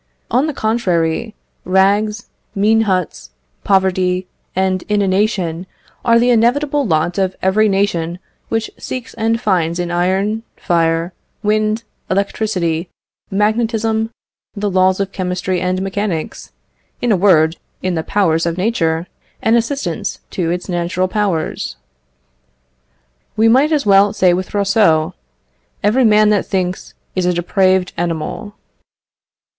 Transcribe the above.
On the contrary, rags, mean huts, poverty, and inanition, are the inevitable lot of every nation which seeks and finds in iron, fire, wind, electricity, magnetism, the laws of chemistry and mechanics, in a word, in the powers of nature, an assistance to its natural powers. We might as well say with Rousseau "Every man that thinks is a depraved animal."